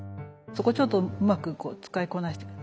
そこちょっとうまく使いこなして。